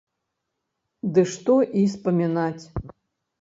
Ды што і спамінаць!